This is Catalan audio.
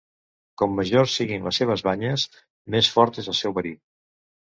Com majors siguin les seves banyes, més fort és el seu verí.